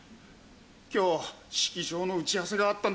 今日式場の打ち合わせがあったんだ。